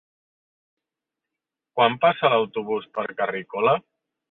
Quan passa l'autobús per Carrícola?